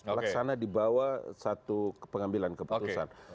laksana di bawah satu pengambilan keputusan